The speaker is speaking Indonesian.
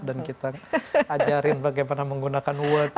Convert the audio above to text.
ajarin bagaimana menggunakan words